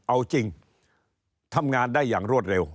เอาจริงทำงานได้อย่างรวดเร็ว